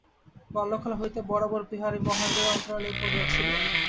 বাল্যকাল হইতে বরাবর বিহারী মহেন্দ্রের অন্তরালেই পড়িয়া ছিল।